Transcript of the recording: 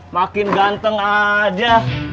makin ganteng aja